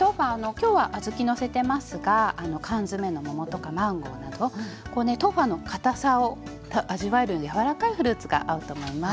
きょうは小豆のせてますが缶詰の桃とかマンゴーなどこうね豆花のかたさを味わえるように柔らかいフルーツが合うと思います。